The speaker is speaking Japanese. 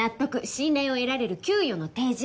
信頼を得られる給与の提示